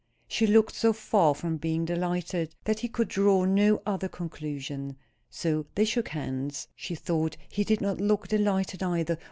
She looked so far from being delighted, that he could draw no other conclusion. So they shook hands. She thought he did not look delighted either.